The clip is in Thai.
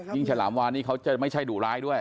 ฉลามวานนี่เขาจะไม่ใช่ดุร้ายด้วย